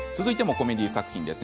コメディー作品です。